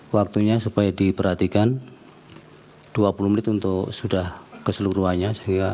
waktunya supaya diperhatikan dua puluh menit untuk sudah keseluruhannya